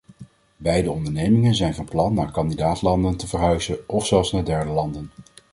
Beide ondernemingen zijn van plan naar kandidaat-landen te verhuizen, of zelfs naar derde landen.